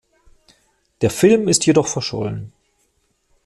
Der Film ist jedoch verschollen.